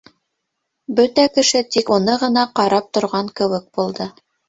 Бөтә кеше тик уны ғына ҡарап торған кеүек булды.